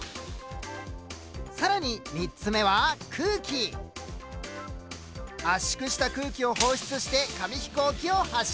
更に３つ目は圧縮した空気を放出して紙飛行機を発射。